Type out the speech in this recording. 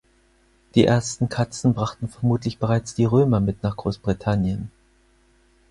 Die ersten Katzen brachten vermutlich bereits die Römer mit nach Großbritannien.